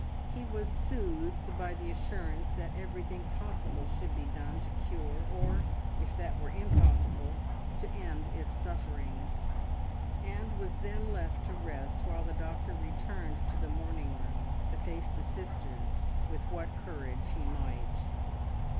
He was soothed by the assurance that everything possible should be done to cure, or, if that were impossible, to end its sufferings, and was then left to rest, while the doctor returned to the morning room, to face the sisters with what courage he might.